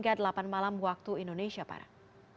dan pukul empat hingga delapan malam waktu indonesia barat